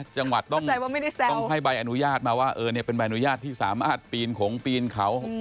จังหวัดต้องให้ใบอนุญาตมาว่าเป็นใบอนุญาตที่สามารถปีนขงปีนเขา